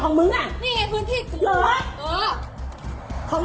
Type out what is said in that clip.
อาหารที่สุดท้าย